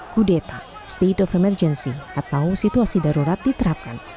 kudeta state of emergency atau situasi darurat diterapkan